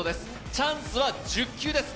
チャンスは１０球です。